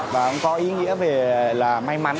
và có ý nghĩa về là may mắn